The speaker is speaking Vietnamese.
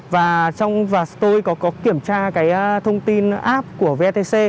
và trong vật tôi có kiểm tra cái thông tin app của vtc